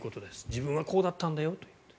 自分はこうだったんだよという。